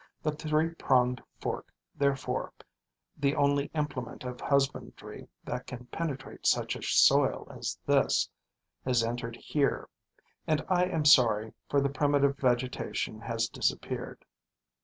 The three pronged fork, therefore, the only implement of husbandry that can penetrate such a soil as this, has entered here; and I am sorry, for the primitive vegetation has disappeared.